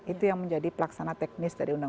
itu yang menjadi pelaksana teknis dari undang undang